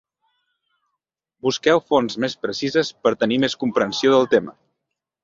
Busqueu fonts més precises per tenir més comprensió del tema.